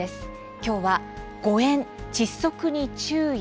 きょうは「誤えん・窒息に注意！